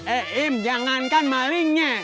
eh im jangankan malingnya